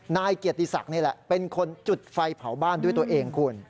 นายเกียรติศักดิ์นี่แหละเป็นคนจุดไฟเผาบ้านด้วยตัวเองคุณ